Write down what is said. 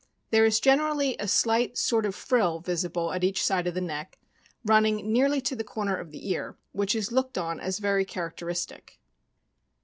There is generally a slight sort of frill visible at each side of the neck, running nearly to the corner of the ear, which is looked on as very characteristic.